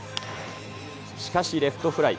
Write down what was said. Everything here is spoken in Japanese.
しかし、レフトフライ。